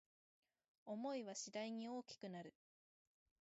想いは次第に大きくなる